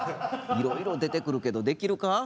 いろいろ出てくるけどできるか？